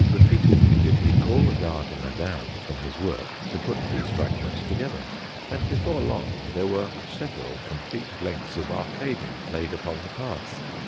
Repeatedly did he call the gardener down from his work to put these fragments together, and before long there were several complete lengths of arcading laid upon the path.